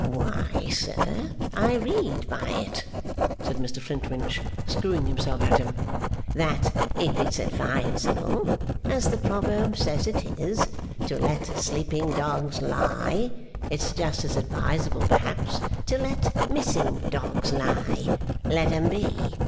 'Why, sir, I read by it,' said Mr Flintwinch, screwing himself at him, 'that if it's advisable (as the proverb says it is) to let sleeping dogs lie, it's just as advisable, perhaps, to let missing dogs lie. Let 'em be.